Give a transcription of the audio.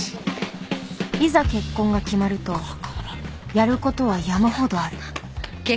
いざ結婚が決まるとやる事は山ほどある